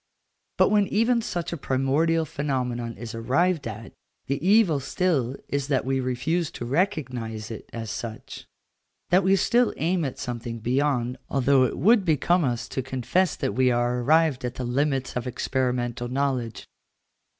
But when even such a primordial phenomenon is arrived at, the evil still is that we refuse to recognise it as such, that we still aim at something beyond, although it would become us to confess that we are arrived at the limits of experimental knowledge.